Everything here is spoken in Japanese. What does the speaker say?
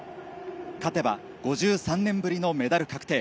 勝てば５３年ぶりのメダル確定。